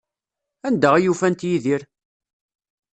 Anda ay ufant Yidir?